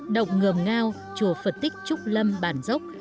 động ngầm ngao chùa phật tích trúc lâm bản dốc